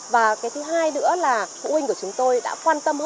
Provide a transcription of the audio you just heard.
và cái thứ hai nữa là phụ huynh của chúng tôi đã quan tâm hơn